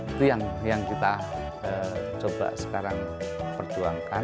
itu yang kita coba sekarang perjuangkan